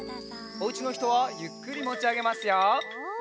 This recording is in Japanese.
おうちのひとはゆっくりもちあげますよ。